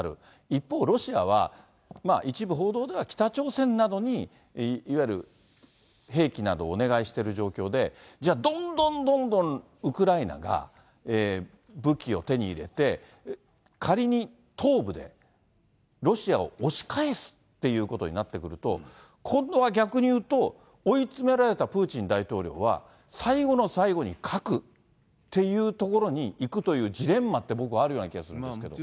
一方、ロシアは、一部報道では、北朝鮮などにいわゆる兵器などをお願いしている状況で、じゃあ、どんどんどんどんウクライナが武器を手に入れて、仮に東部でロシアを押し返すっていうことになってくると、今度は逆に言うと、追い詰められたプーチン大統領は、最後の最後に核っていうところにいくというジレンマって、僕はあるような気がするんですけど。